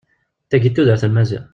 D tayi i tudert n Maziɣ.